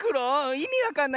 いみわかんない。